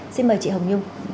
xin mời chị hồng nhung